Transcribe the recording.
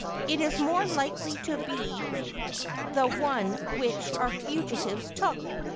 It is more likely to be the one which our fugitives took.